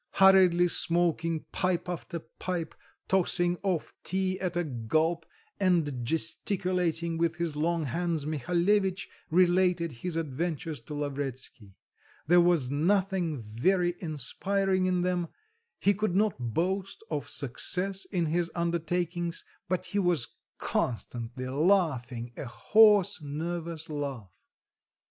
Hurriedly smoking pipe after pipe, tossing off tea at a gulp, and gesticulating with his long hands, Mihalevitch related his adventures to Lavretsky; there was nothing very inspiriting in them, he could not boast of success in his undertakings but he was constantly laughing a hoarse, nervous laugh.